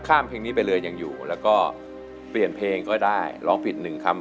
ข้ามเพลงนี้ไปเลยยังอยู่แล้วก็เปลี่ยนเพลงก็ได้ร้องผิดหนึ่งคำ